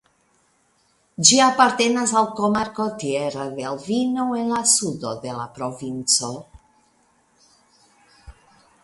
Ĝi apartenas al komarko Tierra del Vino en la sudo de la provinco.